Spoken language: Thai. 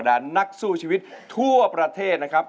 เคยก็เคยอยู่ใกล้มาเกิน